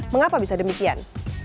mengapa bisa demikian